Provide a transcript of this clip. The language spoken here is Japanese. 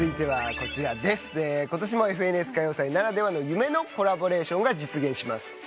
ことしも『ＦＮＳ歌謡祭』ならではの夢のコラボレーションが実現します。